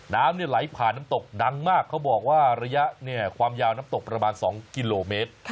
น้ำไหลผ่านน้ำตกดังมากเขาบอกว่าระยะความยาวน้ำตกประมาณ๒กิโลเมตร